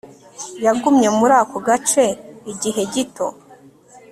Yagumye muri ako gace igihe gito